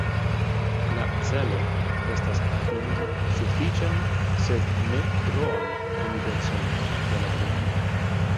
La celo estas atingi sufiĉan sed ne troan humidecon de la grundo.